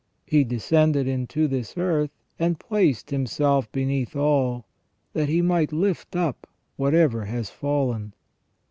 He descended into this earth, and placed Himself beneath all, that He might lift up whatever was fallen."